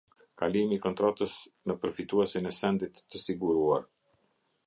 Kalimi i kontratës në përfituesin e sendit të siguruar.